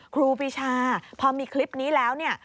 ครูปีชาพอมีคลิปนี้แล้วเนี่ย